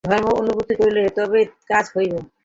ধর্ম অনুভব করিলে তবেই কাজ হইবে।